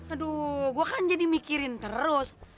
aduh gue kan jadi mikirin terus